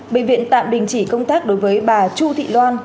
bệnh viện tạm đình chỉ công tác đối với bà chu thị loan